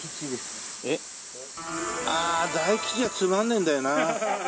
ああ大吉じゃつまんねえんだよな。